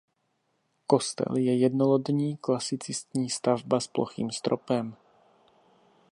Kostel je jednolodní klasicistní stavba s plochým stropem.